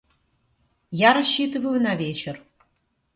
Я рассчитываю на вечер.